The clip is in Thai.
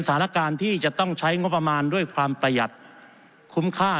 สถานการณ์ที่จะต้องใช้งบประมาณด้วยความประหยัดคุ้มค่า